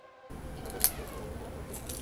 কী হবে যদি আমি আর লড়তে না পারি?